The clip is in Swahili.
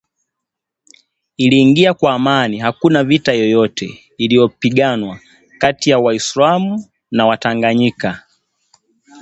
uliingia kwa amani, hakuna vita yeyote, iliyopiganwa kati ya waislamu na watanganyika